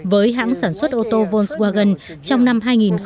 với hãng sản xuất ô tô volkswagen trong năm hai nghìn một mươi chín